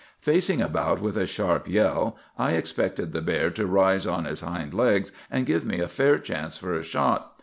"Facing about with a sharp yell, I expected the bear to rise on his hind legs and give me a fair chance for a shot.